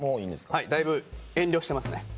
だいぶ、遠慮してますね。